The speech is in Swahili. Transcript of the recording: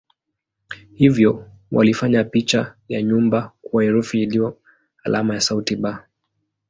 Hivyo walifanya picha ya nyumba kuwa herufi iliyo alama ya sauti "b".